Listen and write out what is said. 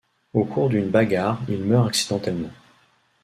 Au cours d'une bagarre, il meurt accidentellement.